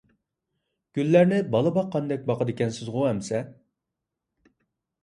گۈللەرنى بالا باققاندەك باقىدىكەنسىزغۇ ئەمىسە.